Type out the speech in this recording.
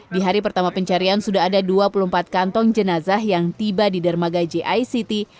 di hari pertama pencarian sudah ada dua puluh empat kantong jenazah yang tiba di dermaga jict